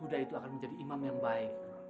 buddha itu akan menjadi imam yang baik